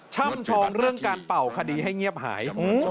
่ำชองเรื่องการเป่าคดีให้เงียบหาย